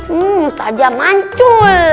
hmm ustadzah mancul